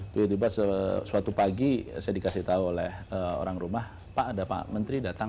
tiba tiba suatu pagi saya dikasih tahu oleh orang rumah pak ada pak menteri datang